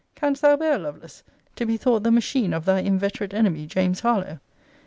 Canst thou bear, Lovelace, to be thought the machine of thy inveterate enemy James Harlowe?